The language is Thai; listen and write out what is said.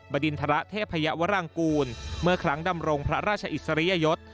ดินทรเทพยวรังกูลเมื่อครั้งดำรงพระราชอิสริยยศ